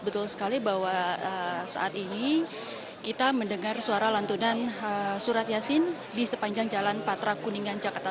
betul sekali bahwa saat ini kita mendengar suara lantunan surat yasin di sepanjang jalan patra kuningan jakarta